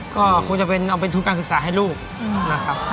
ก็คงจะเอาไปทูลการศึกษาให้ลูกน่ะครับ